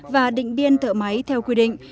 và định biên thợ máy theo quy định này